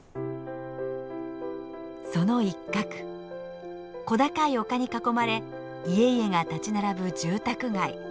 その一角小高い丘に囲まれ家々が立ち並ぶ住宅街。